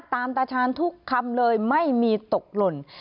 ตาชาญทุกคำเลยไม่มีตกหล่น